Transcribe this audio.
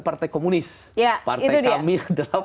partai komunis partai kami adalah